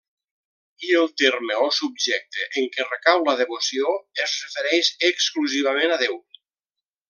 I el terme o subjecte en què recau la devoció es refereix exclusivament a Déu.